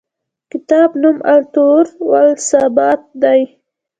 کتاب نوم التطور و الثبات دی.